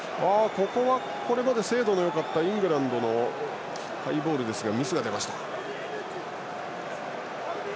ここは、これまで精度のよかったイングランドのハイボールですがミスが出ました。